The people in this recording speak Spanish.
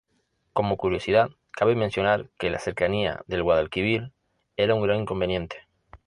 Como curiosidad, cabe mencionar que la cercanía del Guadalquivir era un gran inconveniente.